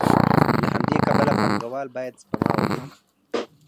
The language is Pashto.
له همدې کبله پانګوال باید سپما ولري